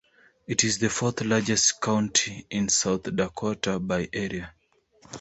It is the fourth-largest county in South Dakota by area.